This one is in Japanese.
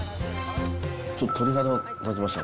ちょっと鳥肌立ちました、